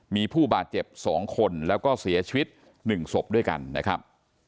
มีผู้บาดเจ็บ๒คนแล้วก็เสียชีวิต๑ศพด้วยกันนะครับ